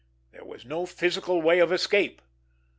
There was no physical way of escape.